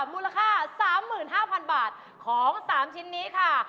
มูลค่า๓๕๐๐๐บาทของ๓ชิ้นนี้ค่ะ